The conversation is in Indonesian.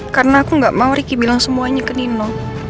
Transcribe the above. karena aku nggak mau riki bilang semuanya ke nino